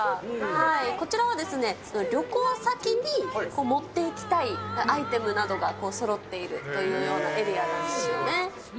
こちらは旅行先に持っていきたいアイテムなどがそろっているというようなエリアなんですよね。